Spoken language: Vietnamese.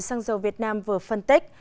xăng dầu việt nam vừa phân tích